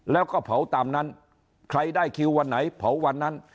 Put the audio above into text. แล้วก็เผาตามนั้นใครได้คิววันไหนเผาวันนั้น